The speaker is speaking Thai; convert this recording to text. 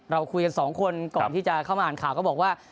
เราคุยกันสองคนก่อนที่จะเข้ามาอ่านข่าวก็บอกว่า